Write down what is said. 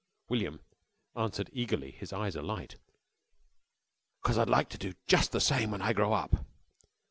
William answered eagerly, his eyes alight. "'Cause I'd like to do jus' the same when I grow up."